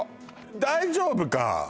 大丈夫か？